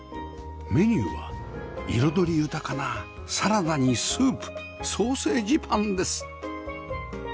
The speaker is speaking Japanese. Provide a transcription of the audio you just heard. メニューは彩り豊かなサラダにスープソーセージパンです